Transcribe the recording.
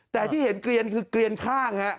แต่ที่เห็นเกลียนคือเกลียนข้างฮะ